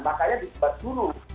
makanya disebut dulu pedoman